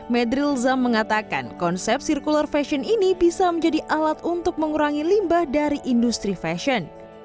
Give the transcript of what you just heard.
medril zam mengatakan konsep circular fashion ini bisa menjadi alat untuk mengurangi limbah dari industri fashion